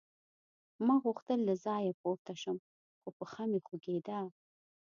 ما غوښتل له ځایه پورته شم خو پښه مې خوږېده